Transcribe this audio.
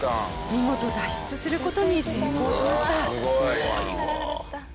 見事脱出する事に成功しました。